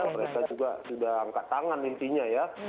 mereka juga sudah angkat tangan intinya ya